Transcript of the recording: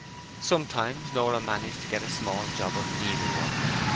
Sometimes Nora managed to get a small job of needlework.